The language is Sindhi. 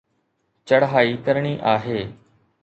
چڙهائي ڪرڻي آهي.